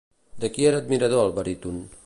De qui era admirador el baríton?